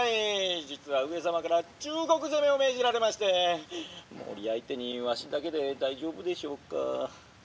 実は上様から中国攻めを命じられまして毛利相手にわしだけで大丈夫でしょうか」。